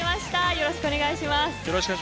よろしくお願いします。